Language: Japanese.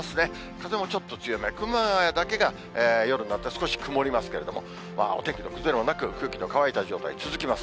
風もちょっと強め、熊谷だけが夜になって少し曇りますけれども、お天気の崩れもなく、空気の乾いた状態続きます。